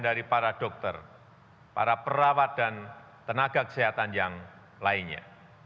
dari para dokter para perawat dan tenaga kesehatan yang lainnya